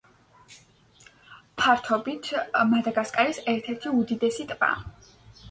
ფართობით მადაგასკარის ერთ-ერთი უდიდესი ტბაა.